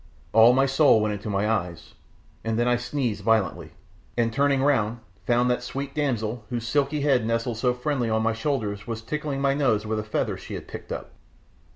All my soul went into my eyes, and then I sneezed violently, and turning round, found that sweet damsel whose silky head nestled so friendly on my shoulder was tickling my nose with a feather she had picked up.